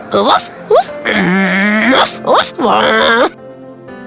hachiko mengais dan merengek